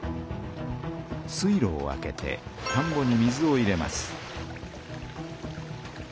水路を開けてたんぼに水を入れます。